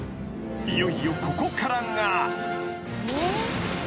［いよいよここからが］